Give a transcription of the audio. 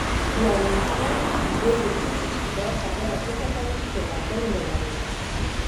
یوې هوښیارې ګیدړې وویل چې دا خبره ځکه کوې چې لکۍ نلرې.